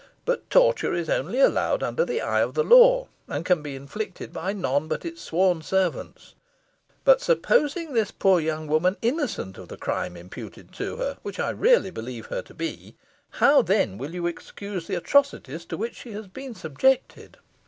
But torture is only allowed under the eye of the law, and can be inflicted by none but its sworn servants. But, supposing this poor young woman innocent of the crime imputed to her, which I really believe her to be, how, then, will you excuse the atrocities to which she has been subjected?"